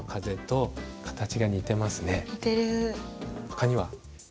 ほかには？